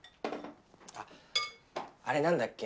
あっあれ何だっけ。